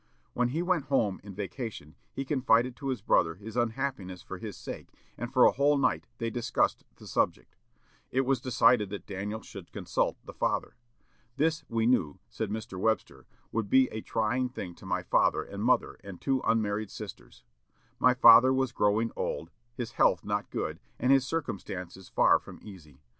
When he went home in vacation, he confided to his brother his unhappiness for his sake, and for a whole night they discussed the subject. It was decided that Daniel should consult the father. "This, we knew," said Mr. Webster, "would be a trying thing to my father and mother and two unmarried sisters. My father was growing old, his health not good, and his circumstances far from easy....